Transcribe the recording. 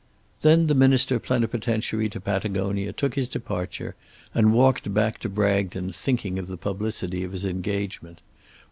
Then the Minister Plenipotentiary to Patagonia took his departure and walked back to Bragton thinking of the publicity of his engagement.